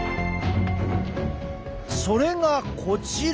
それがこちら！